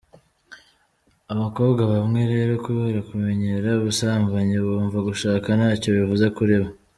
Abakobwa bamwe rero kubera kumenyera ubusambanyi bumva gushaka nta cyo bivuze kuri bo.